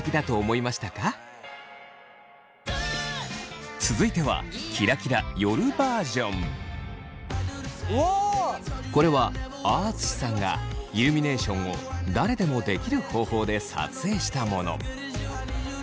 あなたは続いてはこれはあああつしさんがイルミネーションを誰でもできる方法で撮影したもの。